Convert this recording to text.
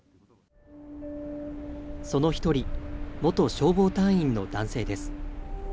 その一人、元消防隊員の男性です。